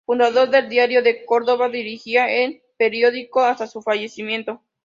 Fundador del "Diario de Córdoba", dirigiría el periódico hasta su fallecimiento.